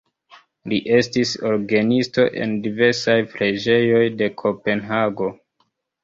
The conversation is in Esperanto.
Li estis orgenisto en diversaj preĝejoj de Kopenhago.